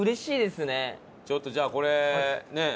ちょっとじゃあこれねえ。